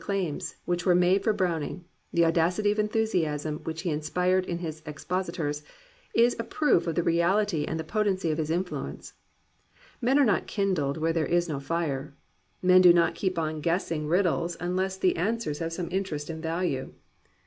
And yet it must be said that the very extrava gance of the claims which were made for Browning, the audacity of enthusiasm which he inspired in his expositors, is a proof of the reality and the potency of his influence. Men are not kindled where there is no fire. Men do not keep on guessing riddles unless the answers have some interest and value.